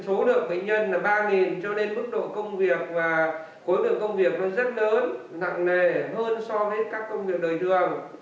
số lượng bệnh nhân là ba cho đến mức độ công việc và khối lượng công việc nó rất lớn nặng nề hơn so với các công việc đời thường